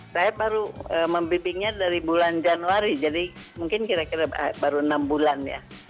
saya baru membimbingnya dari bulan januari jadi mungkin kira kira baru enam bulan ya